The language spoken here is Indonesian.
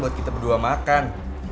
buat kita berdua makan